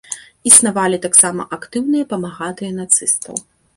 Існавалі таксама актыўныя памагатыя нацыстаў.